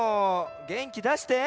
げんきだして。